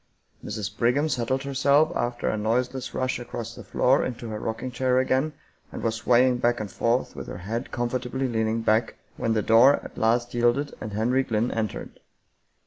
Mrs. Brig ham settled herself after a noiseless rush across the floor into her rocking chair again, and was swaying back and forth with her head comfortably leaning back, when the door at last yielded and Henry Glynn entered.